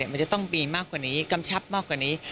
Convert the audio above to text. มันจะต้องมีมากกว่านี้กำชับมากกว่านี้